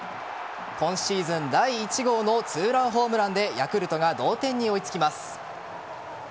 今シーズン第１号の２ランホームランでヤクルトが同点に追いつきます。